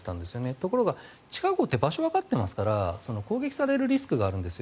ところが地下壕って場所がわかっていますから攻撃されるリスクがあるんです。